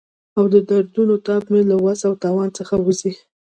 او د دردونو تاب مې له وس او توان څخه وځي.